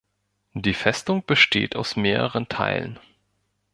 Die Festung besteht aus mehreren Teilen.